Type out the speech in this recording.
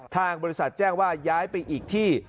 ทางบริษัทแจ้งว่าย้ายไปอีกที่